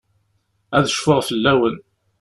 Ad cfuɣ fell-awen.